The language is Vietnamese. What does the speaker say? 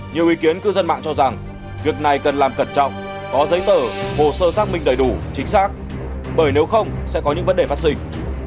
nhiều ý kiến cư dân mạng cho rằng việc này cần làm cẩn trọng có giấy tờ hồ sơ xác minh đầy đủ chính xác bởi nếu không sẽ có những vấn đề phát sinh